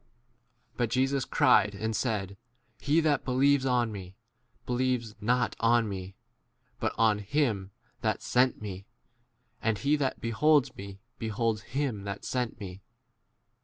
b But Jesus cried and said, He that believes on me, believes not on me, but on 45 him that sent me ; and he that beholds me beholds him that sent 48 me.